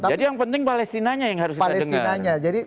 jadi yang penting palestinanya yang harus kita dengar